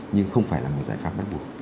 nhưng không phải là một giải pháp bắt buộc